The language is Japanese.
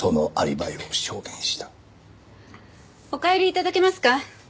お帰り頂けますか？